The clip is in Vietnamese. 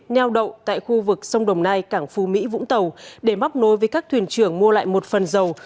neo đậu tại khu vực sông đồng nai cảng phú mỹ vũng tàu để móc nối với các thuyền trưởng mua lại một phần dầu